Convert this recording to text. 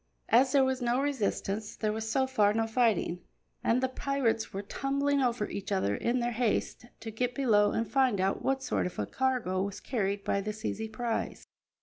As there was no resistance, there was so far no fighting, and the pirates were tumbling over each other in their haste to get below and find out what sort of a cargo was carried by this easy prize.